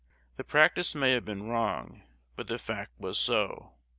The practice may have been wrong, but the fact was so.